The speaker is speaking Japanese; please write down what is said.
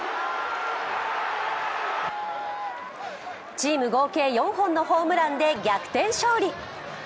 チーム合計４本のホームランで逆転勝利。